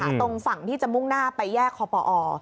ตรงฝั่งที่จะมุ่งหน้าไปแยกคอปอ